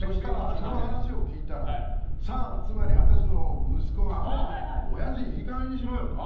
その話を聞いたらサン、つまり私の息子がおやじ、いい加減にしろよと。